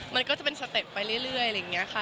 มันก็จะเป็นสเต็ปไปเรื่อยอะไรอย่างนี้ค่ะ